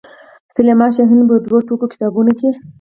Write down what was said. سلما شاهین په دوو ټوکه کتابونو کې.